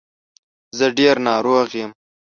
زه ډېر ناروغ یم.